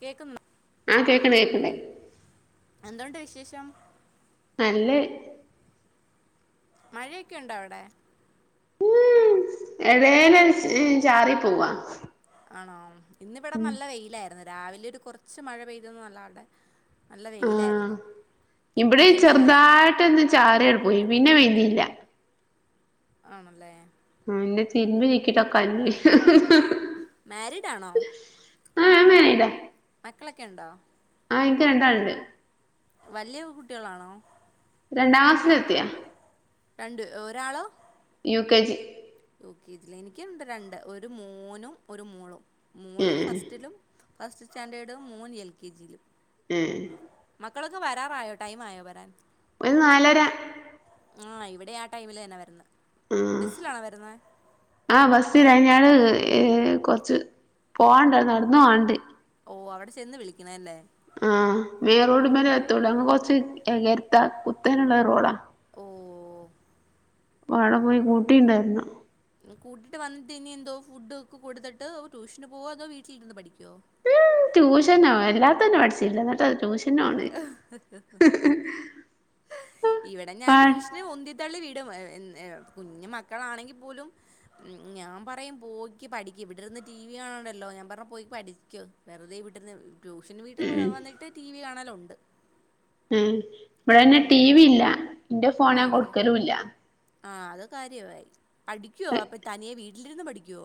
കേക്കുന്നൊ ആ കേക്ക്‌ണ്ട് കേക്ക്‌ണ്ട് എന്തൊണ്ട് വിശേഷം? നല്ലഹ് മഴയൊക്കെണ്ട അവ്ടെ? ഉം എടേന ചാറിപോവാ അണോ ഇന്നിവിടെ നല്ല വെയിലായിരുന്ന് രാവിലെ ഒരുകൊറച്ച് മഴ പെയ്തുന്നല്ലാണ്ടെ ആ ഇബടേം എല്ലാം ഉണങ്ങി ചെറുതായിട്ട്ന്ന് ചാറിയൊ പോയി പിന്നെ പെയ്തില്ല. ആണല്ലേ ആ പിന്നെ തിരുമ്പിചിക്കിട്ടൊക്കഞ്ഞി മേരീഡാണോ ആ ഞാൻ മാരീഡാ മക്കളക്കെ ഉണ്ടോ? ആ ഇൻക്ക് രണ്ടാള്ണ്ട്. വല്യയ കുട്ട്യളാണോ രണ്ടാക്ലാസിലെത്തിയാ രണ്ട് ഒരാളോ U K G U K G ലാ എനിക്ക്ണ്ട് രണ്ട് ഒരു മോനും ഒരു മോളും മോള് ഉം ഫസ്റ്റിലും ഫസ്റ്റ് സ്റ്റാൻഡേർഡും മോൻ എൽ കെ ജിയിലും ഉം ന്നു വരാറായോ ടൈംആയോ വരാൻ ഒരു നാലര ആ ഇവിടേ ആ ടൈമിലന്നാ വരുന്നെ ആ ആ ബസില ഞ്ഞാള് ഏ കൊർച്ച് പോവാണ്ട് നടന്നൊവാണ്ട്. ഓ അവിടെ ചെന്ന് വിളിക്കണല്ലേ ആ മെയിൻറോഡ്മ്മലെത്തൊള്ളൂ ഞങ്ങള് കൊർച്ച് എകരത്താ കുത്തനള്ള റോഡാ ഓ അപ്പൊവട പോയി കൂട്ടിട്ടുണ്ടാര്നം കൂട്ടിട്ട് വന്നിട്ട് ഇനി എന്തോ ഫുഡ്ഒക്കെ കൊട്ത്ട്ട് ട്യൂഷന് പോവോതോ വീട്ടിലിരുന്ന് പഠിക്കോ ഊ ട്യൂഷനോ എല്ലാതന്നെ പടിച്ചില്ല ഇന്ന്ട്ടാട്യൂഷൻ ഇവിടെ ഞാൻ പാ ട്യൂഷന് ഉന്തിത്തള്ളി വി [unintelligible] കുഞ്ഞുമക്കളാണെങ്കി പോലും ഞാംപറയും പോക്കി പഠിക്ക്ഇവിടെര് ര്ന്ന് ടി വി കാണണ്ടല്ലോ ഞാൻ പറ്ണ്പോയി പഠിക്ക് വെറുതെ വീട്ടിര്ന്ന് ട്യൂ പിൻ വീട്ട് വ ഉം വന്നിട്ട് ടി വി കാണലുണ്ട് ഉം ഇപഴെന്നെ ടിവി ഇല്ല ഇന്റെ ഫോണ് ആണല്ലേ ഞാൻകൊടുക്കലുല്ല ആ അത്കാര്യവായി പഠിക്യോ അപ്പൊ തനിയെ വീട്ടില്ര്ന്ന് പഠിക്യോ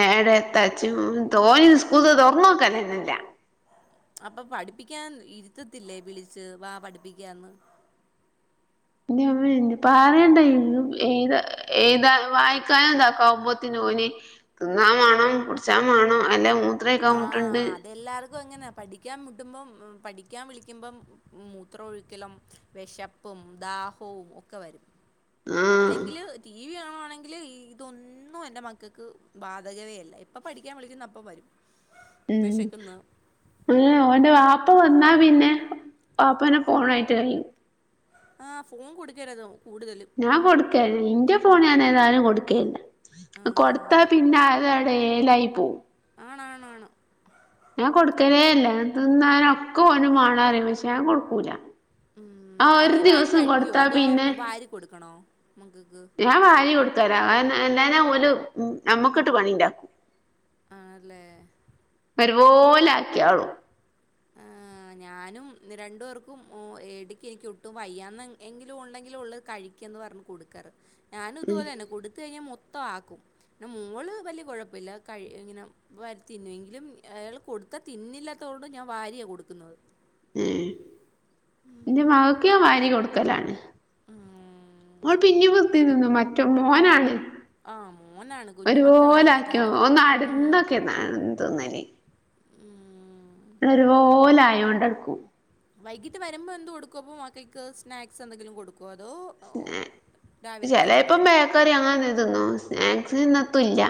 ഏടെ എത്താച്ചും തോനെ ന്നും സ്കൂത്തത് തൊർന്നോക്നന്നല്ല അപ്പൊ പഠി ഇന്റമ്മെന്റു പറീണ്ടെന്നും ഏതാ ഏതാ വായിക്കാനുംതാക്കാവുമ്പോത്തിനു ഓ ന് തിന്നാം വാണംകുടിച്ചാംവാണം അല്ലെ മൂത്രൈക്കാം മുട്ട്ണ്ട് ഇക്കുഅങ്ങന പഠിക്കാൻ മുട്ടുമ്പൊം ഉം പഠിക്കാൻ വിളിക്കുമ്പം ഉം മുത്രം ഒഴിക്കലും വിശപ്പും ഉംദാഹവും ഒക്കെ വരും ആഹ് അല്ലെങ്കില് ടി വി ങ്കില് ഇതൊന്നും എൻ്റെ മക്കക്ക് ബാധകവേ അല്ല എപ്പൊ പഠിക്കാൻ വിളിക്കുന്നോ അപ്പൊ വരും ഉം വിശക്കുന്ന് [unintelligible] ഓന്റെ വാപ്പ ഇപ്പ വന്നാ പിന്നെ വാപ്പനെ ഫോണേറ്റായി ആ ഫോം കൊടുക്കരുത് കൂടുതലും ഞാൻ കൊടുക്കലില്യ ഇന്റെ ഫോണ് ഞാൻ ഏതായാലും കൊട്ക്കെയില്ല അ കൊടുത്താ ആഹ് പിന്നെ ആ ലേലായി പോവും ആണാണാണ് ഞാ കൊടുക്കലേ ഇല്ല തിന്നാനൊക്കെ ഓന് മാണം പ റിംപക്ഷേ ഞാന് കൊടുക്കൂല ഉം ആഹ് ഒരു തനിയേ വാരി ദിവസം കഴിക്യോ കൊടുത്താ അതോ പിന്നെ വാരി കൊടുക്കണോ മക്കക് [unintelligible] ഒരു നമ്മക്ക്ട്ട് പണിണ്ടാക്കും ആണ്ല്ലേ വരോലെ ആക്കിയോളും ആ ആഞാനും ഇന്ന് രണ്ടു പേർക്കും ഓ എടിക്ക് എരിക്കുംഒട്ടും വയ്യാന്ന് എങ്കിലും ഉണ്ടെങ്കില്ഉള്ള്കഴിക്ക എന്ന് പർണ്കൊടുക്കാറ് ഞാനും ഇതുപോലെന്നെ കൊടുത്ത കഴിഞ്ഞ മൊത് മൊത്തൊ ആക്കും പിന്ന മോൾ വല്യ കൊഴപല്യ കഴ് ഇങ്ങനെ വാരിത്തിന്നുംഎങ്കിലും അയാൾ കൊട് ക്ക തിന്നില്ലാതോണ്ട് ഞാ വാരിയാകൊടുക്ക്ന്നത് ഏ ഉം പിന്നിം വൃത്തി തിന്നും മറ്റൊമോനാണ് ആഹ് മോനാണ് കുഞ്ഞു ഒരുപോലെ മക്കളല്ലേ ആക്യോ അതാണ് ഓന് ഉം നട്ന്ന്ക്കെന്ന തിന്നല് ഉം ക്കെരുപോലായോണ്ടെട്ക്കും വൈകിട്ട് വരുമ്പോ എന്തുകൊടുക്കും അപ്പൊമക്കക്ക് സ്നാക്സ് എന്തെങ്കിലും കൊട്ക്കും സ്നേ ചെലേപ്പം എന്തെങ്കിലും ബേക്കറി അങ്ങനെ ന്തേലുംതിന്നോ സ്നേക് ത് ന്നത്തുല്യ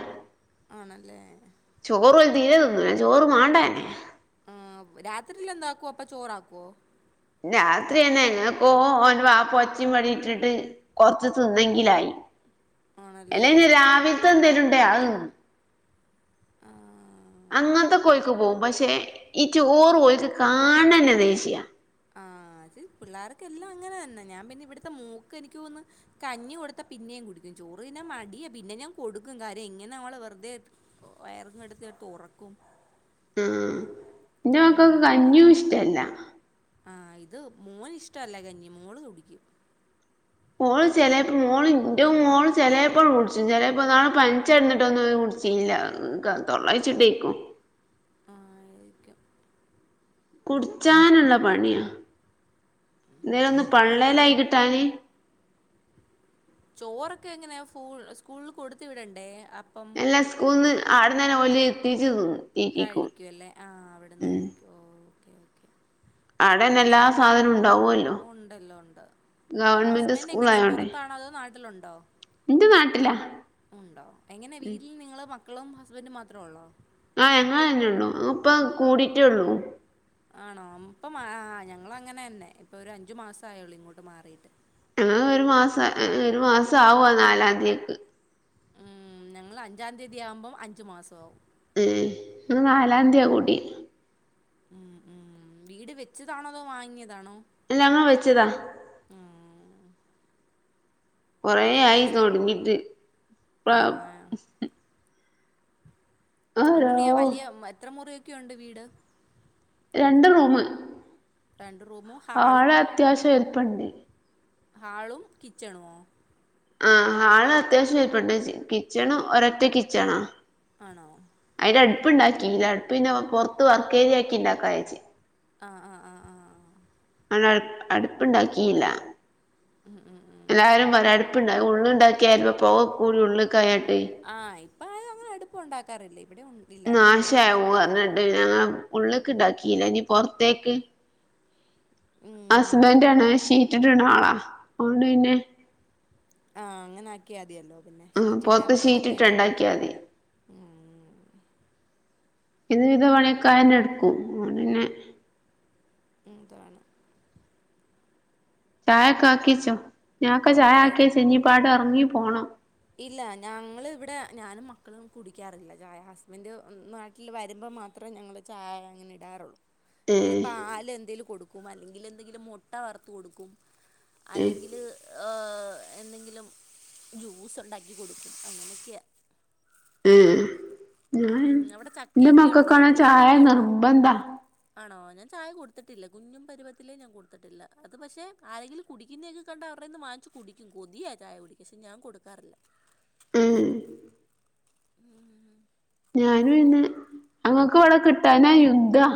ആണല്ലേ ചോറ് ഓല് തീരെ തിന്നൂലചോറ് മാണ്ടന്നെ ആ രാത്രില്എന്താക്കുവോ അപ്പൊ ചോറാക്കുവോ രാത്രിയെന്നെ എങ്ങനക്കോ ഓന്റെ വാപ്പ ഒച്ചിം മിളിട്ടിട്ട് കൊറച്ച് നിന്നെങ്കിലായി ആണല്ലേ എല്ലേപിന്നെ രാവില്ത്തെ എന്തേലും ഉണ്ടേ അഅ്തിന്നും ആ അങ്ങൻതൊക്കെ ഓൽക്ക് പോവും പക്ഷേ ഈ ചോറ് ഓൽക്ക് കാണ്ന്നെ ദേശ്യാ ആ അത് പിള്ളേർക്കെല്ലാം അങ്ങനെ ന്നെ ഞാൻ പിന്നെ ഇവ്ട്ത്തെ മോക്ക് എനിക്കോന്ന് കഞ്ഞി കൊടുത്ത പിന്നെയും കുടിക്കും ചോറ് തിന്നാൻ മടിയാ പിന്നെ ഞാൻ കൊട്ക്കും കാര്യം ഇങ്ങനെ ഓളെ വെർദെത് വയറ് കെട്ത്തി ഒക്കെ ഒറക്കും ഹ് ആ ഇന്റെ മക്കക്ക് കഞ്ഞും ഇഷ്ടല്ല ആ ഇത് മോന് ഇഷ്ടല്ല കഞ്ഞി മോള് തുടിക്കും മോള് ചിലപ്പോ എന്റെ മോൾചിലപ്പോൾ വിളിച്ചു. ചിലപ്പോ ഇന്നാള്‍ പനിച്ചടഞ്ഞിട്ട് ഒന്ന്.. ചില്ല ക തൊള്ള കൈച്ചിട്ടിര്ക്കും [unintelligible] ആയിരിക്കും കുടിച്ചാനുള്ള പണിയ. ഇതിനൊന്ന് പള്ളേലായി കിട്ടാന്. ചോറൊക്കെ എങ്ങനെയ ഫുള്ള് സ്കൂളിൽ കൊടുത്തു വിടേണ്ട എന്നെ സ്കൂളിൽനിന്ന് അവിടെന്ന് ന്നെ ഓല് എത്തിച്ചു തന്നു. കഴിക്കും അല്ലേ ആഹ് അവിടന്ന് കഴിക്ക ഓ. അടെന്നെ എല്ലാ സാധനവും ഉണ്ടാവല്ലോ. ഉണ്ടല്ലോ ഉണ്ട് ഹസ്ബൻഡ് എങ്ങനാ പുറത്താണോ അതോ നാട്ടിലുണ്ടോ എന്റെ നാട്ടിലാ ഉണ്ടോ എങ്ങനെ ഉം വീട്ടിൽ നിങ്ങള് മക്കളും ഹസ്ബൻറും മാത്രേ ഉള്ളോ? ആഹ ഞങ്ങ തന്നെള്ളൂ ഇപ്പൊ കൂടിട്ടള്ളൂ. ആണോപ്പ ആ ഞങ്ങൾഅങ്ങനെ തന്നെ ഇപ്പൊ ഒരു അഞ്ചു മാസം ആയള്ളൂ ഇങ്ങോട്ട് മാറിട്ട്. ഞങ്ങൾഒരു മാസം ഒരു മാസം ആവുവാ നാലാം തീയക്ക് ഉം ഞങ്ങൾ അഞ്ചാം തീയതി ആവുമ്പോം അഞ്ചു മാസാവും. ഉം ഇന്ന് നാലാംതിയയാ കൂട്ടി ഉം ഉം വീട് വെച്ചതാണോ അതോ വാങ്ങിയത് ഇല്ലങ്ങ വെച്ചതാ. ഉം കുറേ ഇത് ആയി വെച്ചതാ തുടങ്ങിട്ട് ഇപ്പോ ആ ഉം അങ്ങനെയാ വലിയ എത്ര മുറി ഒക്കെ ഉണ്ട് വീട് രണ്ട് റൂം രണ്ട് റൂമും ഹാളും ഹാള് അത്യാവശ്യം വലു പ്പണ്ട് ഹാളും കിച്ചണുമോ? ആ ഹാള് അത്യാവശ്യം വലിപ്പമുണ്ട്. കിച്ചൺ ഒരൊറ്റ കിച്ചണാ. ആണോ. അടുപ്പ ഉണ്ടാക്കിയില്ല. അടുപ്പന്നെ പുറത്ത് വർക്കേരിയാക്കി ഉണ്ടാക്കാച്ചു ആഹ് ആഹ് ആഹ് ആഹ് ആ. അ അടുപ്പുണ്ടാക്കിയില്ല ഉം ഉം ഉം എല്ലാരും പറ അടുപ്പുണ്ടാ ഉള്ളുണ്ടാക്കിയ ലു പ്പോൾ പോക കൂടി ഉള്ള കയ ആഇപ്പൊ ആരും അങ്ങനെ അടുപ്പം ഉണ്ടാക്കാറില്ലേ നാശാവും പറഞ്ഞിട്ട് ഞങ്ങള് ഉള്ളൊക്കെ ഇണ്ടാക്കിയില്ല ഇനി പുറത്തേക്ക് ഉം ഹസ്ബൻഡ് ആണ് ഷീറ്റ് ഇടണ ആളാ അതോണ്ട് പിന്നേ ആഅങ്ങന ആക്കിയ മതിയല്ലോ പിന്നെ ആ ഷീറ്റ് ട്ടാം പൊറത്ത് ഇറക്കിയാ ഷീറ്റിട്ട് മതി ഉണ്ടാക്കിയാ ഉം ഇന്ന് ഇതു പണികാരനഎടുക്കും അതോണ്ട് പിന്നെ അതാണ് [inaudible] ചായൊക്കെ ആക്കിിച്ചോ ഞാക്കെ ചായ ഈ ആക്കിച്ചു ഇഞ്ചിപ്പോ അട്ട് ഇറങ്ങി പോണം. ഇല്ല ഞങ്ങ ൾ ഇവിടെ ഞാനും മക്കളും കുടിക്കാറില്ല ചായ. ഹസ്ബന്ഡ് നാട്ടിൽ വരുമ്പോ മാത്രേ ഞങ്ങങ്ങൾ ചായ അങ്ങനെ ഇടാറുള്ളൂ. ഏ അല്ല പാൽ എന്തെങ്കിലും കൊടുക്കും അല്ലെങ്കിൽ എന്തെങ്കിലും മുട്ട വറത്തു കൊടുക്കും ഏ അല്ലെങ്കിൽ ഏഹ് എന്തെങ്കിലും ജ്യൂസ്‌ ഉണ്ടാക്കി കൊടുക്കും അങ്ങനെയൊക്കെയ ഉം ഞാൻ അവിടെ ഇന്റെ ചക്കയൊക്കെ ഉണ്ടോ മക്കക്കണ ചായ കൃഷിയൊക്കെ ഉണ്ടോ നിർബന്ധ ആണോ ഞാൻ ചായ കൊടുത്തിട്ടില്ല കുഞ്ഞും പരുവത്തിലേ ഞാൻ കൊടുത്തിട്ടില്ല അത് പക്ഷെ ആരെങ്കിലും കുടിക്കുന്നത ഒക്കെ കണ്ടാ അടെന്ന് വാങ്ങിച്ച്കുടിക്കും കൊതിയ ചായ കുടിക്ക പക്ഷെ ഞാൻ കൊടുക്കാറില്ല. ഉം ഉം ഹ [inaudible] ഞൻ പിന്നെ അങ്ങക്ക് ഇവിടെ കിട്ടാനാ യുദ്ധാ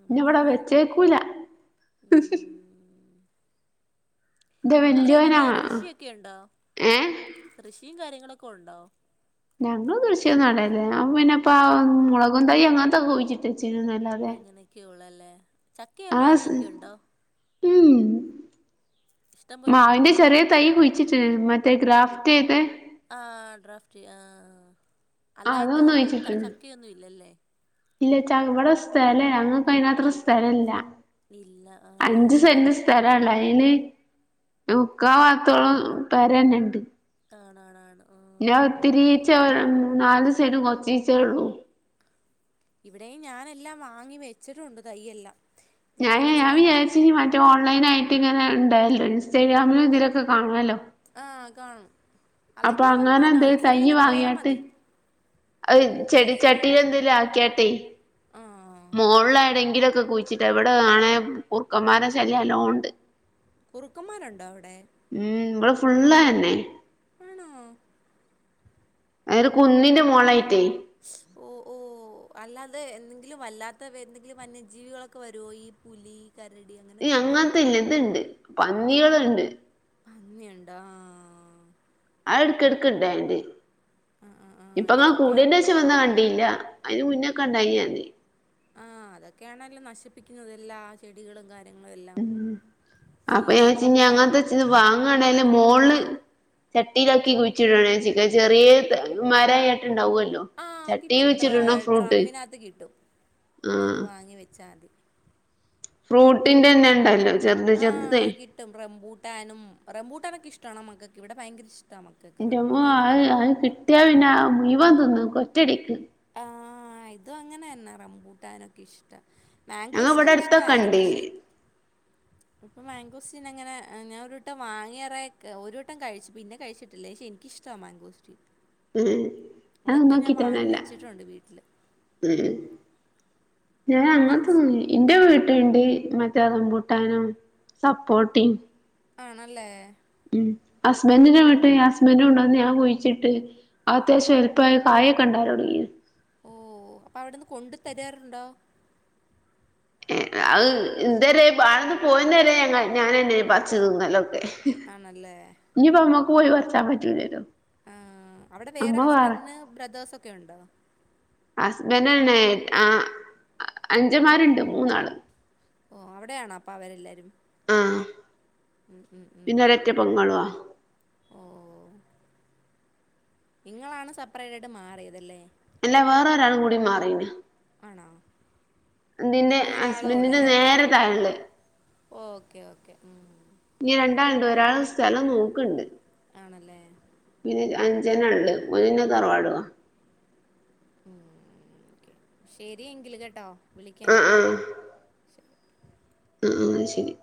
അങ്ങനെ ഇന്നവിടെ വെച്ചേക്കൂല ഉഹും.. ഉം അവിടെ വല്യോനാ എങ്ങനെയാ കൃഷിയൊക്കെ ഉണ്ടോ ഏ കൃഷിയും കാര്യങ്ങളൊക്കെ ഉണ്ടോ....... ഞങ്ങള്ൾ കൃഷി നടല്ലേ പിന്നെപ്പ മുളകും തൈ അങ്ങനത്തൊക്കെ ചി...... ചെയുന്നല്ലാതെ..... ചക്കയെ മാങ്ങയൊക്കെുണ്ടോ...... ഉം ഇഷ്ടം പോലെ മാവിന്റെ പിടിക്കുവോ ചെറിയ തൈ കുഴിച്ചിട്ട് മറ്റേ ഗ്രാഫ്..... [unintelligible] ആ ഡ്രാഫ്റ്റ് ചെയ ആ അല്ലാണ്ട് അതൊന്ന് കുഴിച്ചിട്ടുണ്ട് ചക്കയൊന്നും ഇല്ലല്ലേ...... ഇല്ല ചമ്മടെ സ്ഥലല്ലല്ല അങ്ങ് അക സ്ഥലല്ല...... ഇല്ല ആ അഞ്ച് സെന്റ് സ്ഥലല്ലോ അയിന്...... മിക്ക ഭാത്തോളം പേര തന്നെണ്ട്...... ആണ് ആണ് ഞാൻ ഒത്തിരിച്ച നാല് സൈന കൊച്ചീച്ചേ ഉള്ളൂ.... ഇവിടെയും ഞാനെല്ലാം വാങ്ങി വെച്ചിട്ടുണ്ട് തയ്യെല്ലാം..... ഞാൻ ഞൻ വിചാരിച്ച മറ്റേ ഓൺലൈനായി... കുട്ടി ഇങ്ങനെ ഉണ്ടായല്ലോ ഇഈ സ്റ്റേഡിയമിലും ഇതിലൊക്കെ കാണമ...... ആഹ് കാണും.... അപ്പൊ അല്ലെങ്കിൽ നമ്മളാ അങ്ങനെ എന്താ നഴ്സറിയിൽ തയ് പോയാൽ വാങ്ങിട്ട്. മതി അ നഴ്സറിയിലോ ചെടിച്ചാട്ടിയില എന്തെല ആക്കിയാട്ടെ ആഹ് മോളിലാണെങ്കിലും..... കുഴിച്ചിട്ട് എവിടെ ആണ കുർക്കന്മാര ശല്യം നാലോല ഉണ്ട്... കുറുക്കന്മാരുണ്ടോ അവിടെ..... ഫുള്ള തന്നെ.... ആണോ.... അത ഒരു കുന്നിന്റെ മോളായിട്ടേ.... ഓ ഓ...... അല്ലാതെ എന്തെങ്കിലും വല്ലാത്ത എന്തെങ്കിലും വന്യജീവികളൊക്കെ വരുവോ ഈ പുലി?.... കരടി അങ്ങനെയൊക്കെ ഉണ്ടോ അങ്ങത്തെല്ല ഇത്ണ്ട് പന്നികളുണ്ട്...... പന്നി ഉണ്ടോ ആആ.... എടുക്ക എടുക്ക ഇണ്ടായിണ്ട് ആഹ് ഇപ്പ ആഹ് അങ്ങ ഇതൊക്കെ കൂടന്റെ വച്ച വന്നാ കണ്ടിയില്ല..... അതിന് മുന്നേക്കെ ഉണ്ടായി.... ആ അതൊക്കെയാണല്ലോ നശിപ്പിക്കുന്നത് എല്ലാ ചെടികളും കാര്യ...... ഉ അപ്പൊ വെച്ച കപ്പ അങ്ങനത്തെ വെച്ച വാങ്ങണേലും...... മോള് ചട്ടിയിലാക്കി കുഴിച്ചിടാണ് ചൻ ചെറിയ മര....... ആഹ് കിട്ടും ഡ്ര ഫ്രൂട്ട് ഡ്രമ്മിനകത്ത് കിട്ടും അത് വാങ്ങി വെച്ചാൽ മതി..... ഫ്രൂട്ടിന്റെ തന്നെ ഉണ്ടല്ലോ...... ആഹ് കിട്ടും റംബൂട്ടാനും റംബൂട്ടാനൊക്കെ ഇഷ്ടണോ മക്കക്ക് ഇവിടെ ഭയങ്കര..... ഇഷ്ടമാണ് മക്കൾക്ക് എൻ്റെമ്മ ആ റംബൂട്ടാനൊക്കെ അത് കിട്ടിയാ പിന്നെ മുവൻ തിന്ന് കൊറ്റടിക്ക്.... ആഹ ഇതും അങ്ങനെ തന്നെ റംമ്പൂട്ടാനൊക്കെ ഇഷ്...... ഞങ്ങ ഇവിടെ മാഘോസ്റ്റിൻ അടുത്തൊക്കെ ഇഷ്ടമായിരുന്നു ഉണ്ട് പക്ഷെ ഇപ്പൊ മാങ്കോസ്...... പിന്നെ അങ്ങനെ ഞാന ഒരിരുട്ടം വങ്ങിയേറ ഒരുരിട്ടം കഴിച്ചു പിന്നെ കഴിച്ചിട്ടില്ലേ പക്ഷേ എനിക്കിഷ്ടമാണ് മാൻങ്കോ...... ഉം അത് നോക്കിട്ടന്നല്ല...... വച്ചിട്ടുണ്ട് വീട്ടില്....... ഞാൻ അങ്ങന തന്ന എന്റെ വീട്ട....... മറ്റേത് റംബുട്ടാൻ സപ്പോർയും.. ആണല്ലേ..,..... ഹസ്ബൻഡിന വിട്ട് ഹസ്ബൻഡും ഉണ്ടോന്ന് ഞാൻ കുഴിച്ചിട്ട് അത്യാവശ്യം എലുപ്പമായി കായെ കണ്ടര തുടങ്ങിയ.... ഓ അപ്പൊ അവിടെന്ന് കൊണ്ടു തരാറുണ്ടോ...... [unintelligible] ആണല്ല..... [unintelligible] അവിടെ വേറെ നമ്മ ഹസ്ബൻ്റിന് ബ്രദേേഴ്സ് ഒക്കെ ഉണ്ടോ. ഹസ്ബൻ്റിന്നെ ആ അനുജന്മാർഉണ്ട് മൂന്നാള്. ഓ അവിടെയാണോ? അപ്പൊ അവരെല്ലാരും. ഉം ഉം ഉം ഉം പിന്നെ ഒരൊറ്റ പെങ്ങളുവാ ഓ നിങ്ങളാണ് സപ്പറേറ്റ് ആയിട്ട് മാറിയതല്ലേ. ഇല്ലാ വേറെ ഒരാളും കൂടി മാറിന് ആണോ? തിന്റെ ഇപ്പൊ ഒരാളെ ഹസ്ബൻ്റിന്റെ ഉള്ളല്ലേ അവിടെ നേര് താഴെള്ളത്. ഓക്കെ [unintelligible] ഇനി രണ്ടാളുണ്ട് ഒരാള് സ്ഥലം നോക്ണ്ട്. ആണല്ലേ പിന്നെ അഞ്ചന ണ്ട് ഒന്ന് ൻ്റെ തറവാടുവാ. ശരിയെങ്കിൽ കേട്ടോ. വിളിക്കാം ആ ഞാൻ ആ ആ ശരി